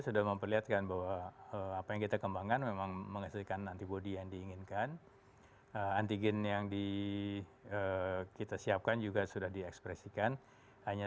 sekarang laboratorium sudah selesai